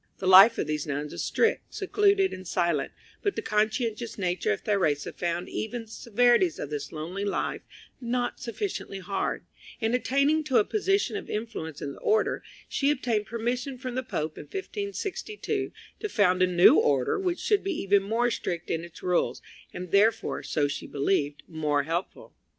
The life of these nuns was strict, secluded, and silent; but the conscientious nature of Theresa found even the severities of this lonely life not sufficiently hard, and attaining to a position of influence in the order she obtained permission from the Pope in 1562 to found a new order which should be even more strict in its rules, and therefore, so she believed, more helpful.